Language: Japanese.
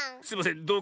すいません。